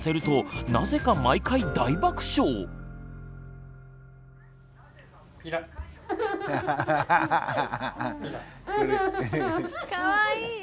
かわいい！